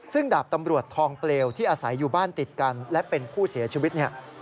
ซึ่งดาบตำรวจทองเปลวที่อาศัยอยู่บ้านติดกันและเป็นผู้เสียชีวิตเนี่ย